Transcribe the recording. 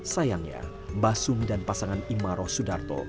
sayangnya mbak sum dan pasangan imaro sudarto